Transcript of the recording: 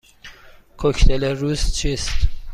کوکتل روز چیست؟